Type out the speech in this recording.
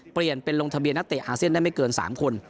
เปลี่ยนเป็นลงทะเบียนนักเตะอาเซียนได้ไม่เกิน๓คน